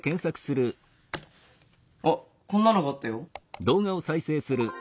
あっこんなのがあったよ。